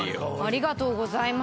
ありがとうございます。